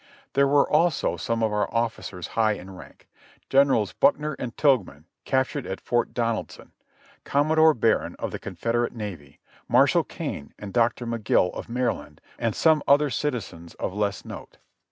There were also some of our officers high in rank, Generals Buckner and Tilghman, captured at Fort Donaldson ; Commodore Barron, of the Confederate Navy ; Mar shall Kane, and Doctor Magill, of Maryland, and some other citi zens of less note.